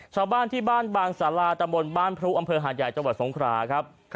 ชาวบ้านที่บ้านบางสาราตะบนบ้านพรุอำเภอหาดใหญ่จังหวัดสงคราครับ